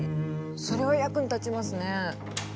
それは役に立ちますね。